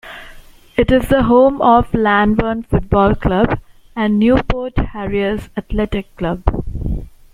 It is the home of Llanwern football club and Newport Harriers Athletic Club.